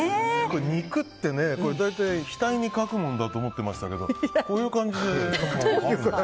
肉って、大体額に書くもんだと思ってましたけどこういう感じで。